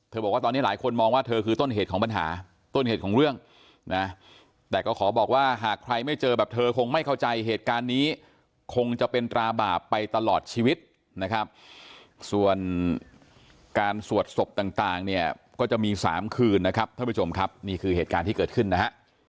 บอกว่าตอนนี้หลายคนมองว่าเธอคือต้นเหตุของปัญหาต้นเหตุของเรื่องนะแต่ก็ขอบอกว่าหากใครไม่เจอแบบเธอคงไม่เข้าใจเหตุการณ์นี้คงจะเป็นตราบาปไปตลอดชีวิตนะครับส่วนการสวดศพต่างเนี่ยก็จะมี๓คืนนะครับท่านผู้ชมครับนี่คือเหตุการณ์ที่เกิดขึ้นนะฮะ